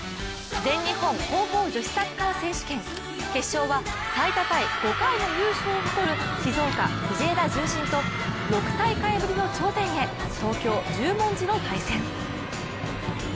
全日本高校女子サッカー選手権、決勝は最多タイ５回の優勝を誇る静岡・藤枝順心と６大会ぶりの頂点へ東京・十文字の対戦。